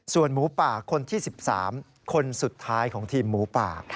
ส่วนหมูป่าคนที่๑๓คนสุดท้ายของทีมหมูป่า